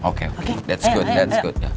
oke oke itu bagus